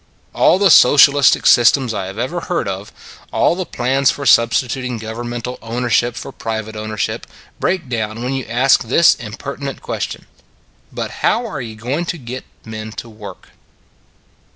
All the socialistic systems I have ever heard of, all the plans for sub stituting governmental ownership for pri vate ownership, break down when you ask this impertinent question :" But how are you going to get men to work?"